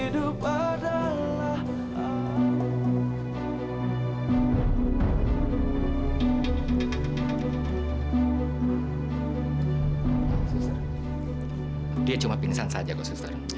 dia cuma pingsan saja kok suster